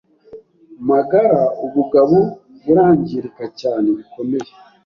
magara, ubugabo burangirika cyane bikomeye